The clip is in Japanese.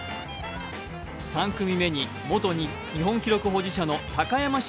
３組目に元日本記録保持者の高山峻